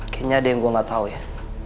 kayaknya ada yang gue gak tau ya